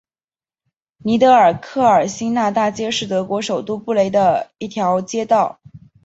尼德尔克尔新纳大街是德国首都柏林的一条街道。